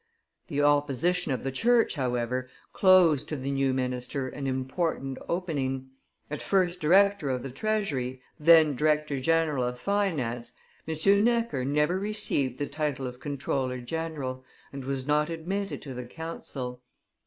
The opposition of the church, however, closed to the new minister an important opening; at first director of the treasury, then director general of finance, M. Necker never received the title of comptroller general, and was not admitted to the council.